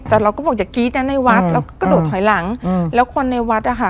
แต่เราก็บอกอย่ากรี๊ดนะในวัดแล้วก็กระโดดถอยหลังแล้วคนในวัดอ่ะค่ะ